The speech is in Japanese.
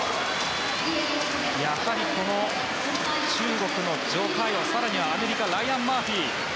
やはり中国のジョ・カヨ更にアメリカライアン・マーフィー。